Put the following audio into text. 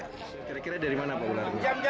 kira kira dari mana ular itu